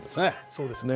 そうですね。